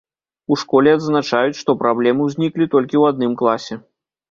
У школе адзначаюць, што праблемы ўзніклі толькі ў адным класе.